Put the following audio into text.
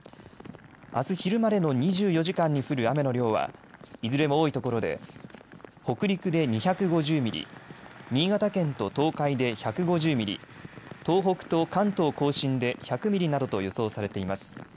あす昼までの２４時間に降る雨の量は、いずれも多いところで北陸で２５０ミリ、新潟県と東海で１５０ミリ、東北と関東甲信で１００ミリなどと予想されています。